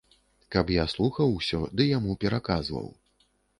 Каб я слухаў усё ды яму пераказваў.